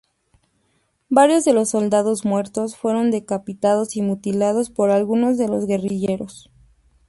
Varios de los soldados muertos fueron decapitados y mutilados por algunos de los guerrilleros.